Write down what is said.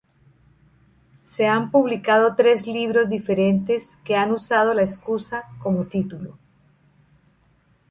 Se han publicado tres libros diferentes que han usado la excusa como título.